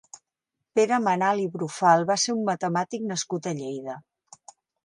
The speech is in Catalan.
Pere Menal i Brufal va ser un matemàtic nascut a Lleida.